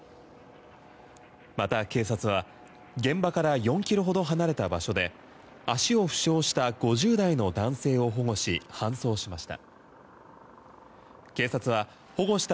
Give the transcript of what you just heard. また警察は現場から４キロほど離れた場所で足を負傷した５０代の男性を保護し、搬送しました。